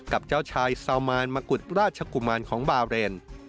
กับเจ้าชายซาวมานมะกุฎราชกุมารของบาเรน